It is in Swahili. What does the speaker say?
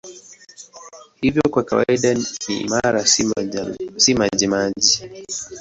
Hivyo kwa kawaida ni imara, si majimaji.